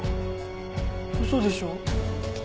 嘘でしょ。